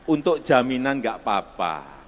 untuk jaminan nggak apa apa